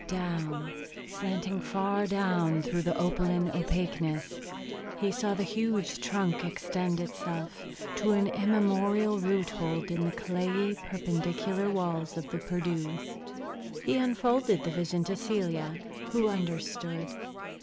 Down, slanting far down through the opaline opaqueness, he saw the huge trunk extend itself, to an immemorial root hold in the clayey, perpendicular walls of the Perdu. He unfolded the vision to Celia, who understood.